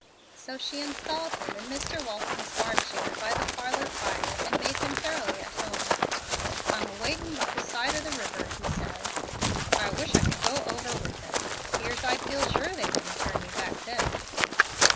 So she installed him in Mr. Walton's arm chair by the parlor fire, and made him thoroughly at home. "I'm a waitin' by the side of the river," he said. "I wish I could go over with him. 'Pears I'd feel sure they wouldn't turn me back then."